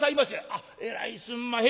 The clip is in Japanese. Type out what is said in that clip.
「あっえらいすんまへん」。